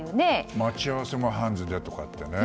待ち合わせもハンズでってね。